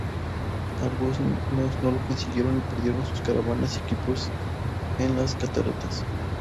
Algunos no lo consiguieron y perdieron sus caravanas y equipos en las cataratas.